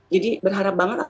jadi berharap banget